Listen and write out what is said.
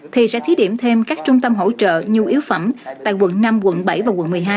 thì sẽ thí điểm thêm các trung tâm hỗ trợ nhu yếu phẩm tại quận năm quận bảy và quận một mươi hai